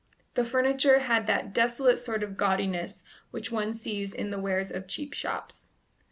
The furniture had that desolate sort of gaudiness which one sees in the wares of cheap shops.